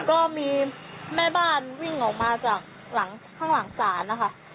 ก็มีแม่บ้านวิ่งออกมาจากข้างหลังศาล